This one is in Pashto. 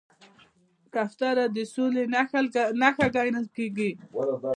کوتره د سولې نښه ګڼل کېږي.